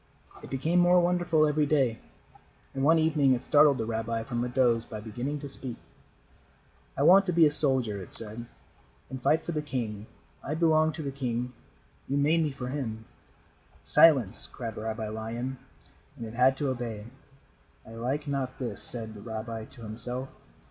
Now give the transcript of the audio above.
It became more wonderful every day, and one evening it startled the rabbi from a doze by beginning to speak. "I want to be a soldier," it said, "and fight for the king. I belong to the king. You made me for him." "Silence," cried Rabbi Lion, and it had to obey. "I like not this," said the rabbi to himself.